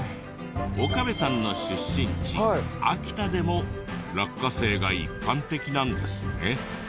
岡部さんの出身地秋田でも落花生が一般的なんですね。